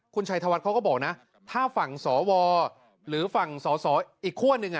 คุณชัยธวัฒน์เขาก็บอกนะถ้าฝั่งสวหรือฝั่งสสอีกคั่วหนึ่ง